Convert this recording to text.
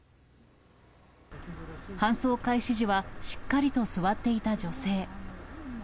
搬送開始時は、しっかりと座っていた女性。